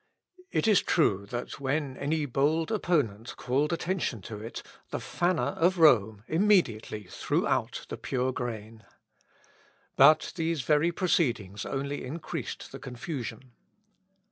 It is true, that when any bold opponent called attention to it, the fanner of Rome immediately threw out the pure grain. But these very proceedings only increased the confusion.